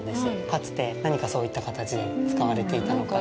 かつて、何かそういった形で使われていたのか。